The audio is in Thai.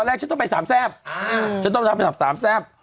นับจากนี้อีก๗วันก็เป็นวันที่ฝนตกนะครับ